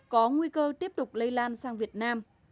có nguy cơ tiếp tục lây lan sang việt nam